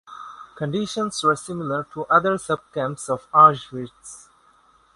Conditions were similar to other subcamps of Auschwitz.